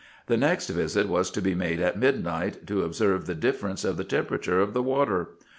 The next visit was to be made at midnight, to observe the difference of the temperature of the water.